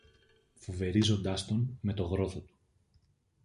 φοβερίζοντας τον με το γρόθο του.